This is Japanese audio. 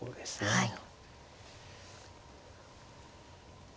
はい。